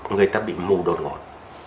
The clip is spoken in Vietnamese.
người ta bị mù đột ngột